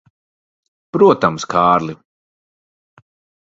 Protams, Kārli.